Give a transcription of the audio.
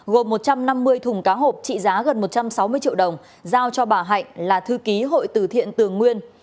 gồm một trăm năm mươi thùng cá hộp trị giá gần một trăm sáu mươi triệu đồng giao cho bà hạnh là thư ký hội từ thiện tường nguyên